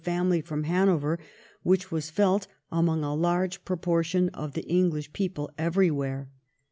family from Hanover whicli was felt among a large proportion of the English people everywhere.